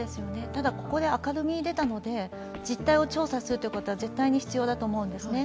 ただここで明るみに出たので、実態を調査することは絶対に必要だと思うんですね。